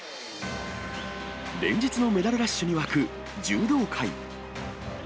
連日のメダルラッシュに沸く柔道界。